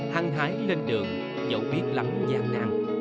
hăng hái lên đường dẫu biết lắm gian nặng